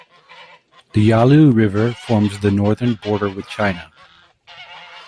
The Yalu River forms the northern border with China.